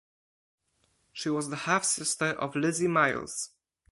She was the half-sister of Lizzie Miles.